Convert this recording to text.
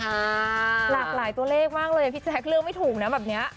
หลากหลายตัวเลขมากเลยพี่แจ๊คเลือกไม่ถูกนะแบบนี้